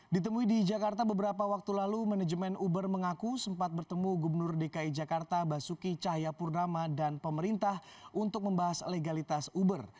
ditemui di jakarta beberapa waktu lalu manajemen uber mengaku sempat bertemu gubernur dki jakarta basuki cahayapurnama dan pemerintah untuk membahas legalitas uber